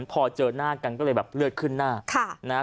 พอเจอหน้ากันก็เลยแบบเลือดขึ้นหน้า